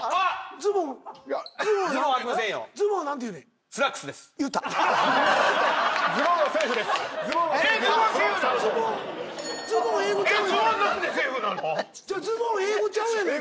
「ズボン」英語ちゃうやないか。